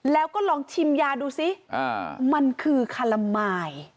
แล้วก็ลองชิมยาดูซิมันคือคาละมาย